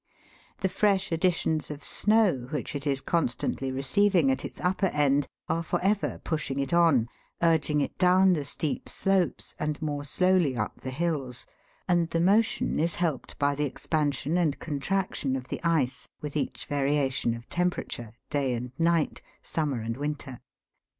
The fresh additions of snow which it is constantly receiv ing at its upper end are for ever pushing it on, urging it down the steep slopes and more slowly up the hills, and the motion is helped by the expansion and contraction of the ice with each variation of temperature, day and night, summer and winter.